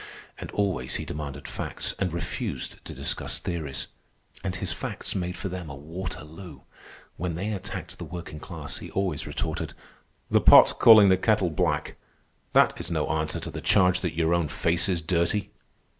And always he demanded facts and refused to discuss theories. And his facts made for them a Waterloo. When they attacked the working class, he always retorted, "The pot calling the kettle black; that is no answer to the charge that your own face is dirty."